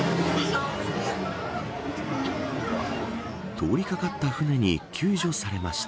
通りかかった船に救助されました。